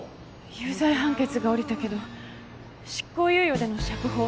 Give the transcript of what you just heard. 有罪判決が下りたけど執行猶予での釈放？